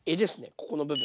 ここの部分。